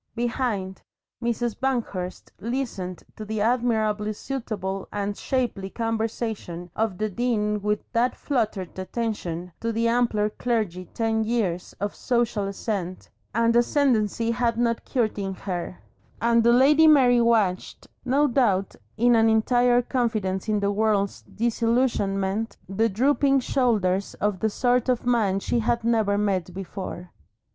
Behind, Mrs. Banghurst listened to the admirably suitable and shapely conversation of the Dean with that fluttered attention to the ampler clergy ten years of social ascent and ascendency had not cured in her; and the Lady Mary watched, no doubt with an entire confidence in the world's disillusionment, the drooping shoulders of the sort of man she had never met before.